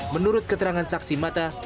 menurut keterangan saksi mata